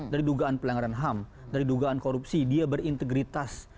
dari dugaan pelanggaran ham dari dugaan korupsi dia berintegritas